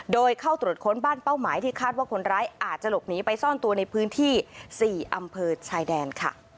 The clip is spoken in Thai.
โดยเข้าตรวจค้นบ้านเป้าหมายที่คาดว่าคนร้ายอาจจะหลบหนีไปซ่อนตัวในพื้นที่๔อำเภอชายแดนค่ะ